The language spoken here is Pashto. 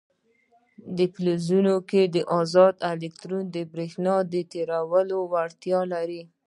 په فلزونو کې ازاد الکترونونه د برېښنا تیرولو وړتیا لري.